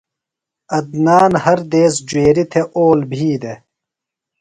عدنان ہر دیس جُویریۡ تھےۡ اول بھی دےۡ۔